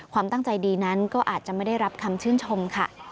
ความตั้งใจดีนั้นก็อาจจะไม่ได้รับคำชื่นชมค่ะ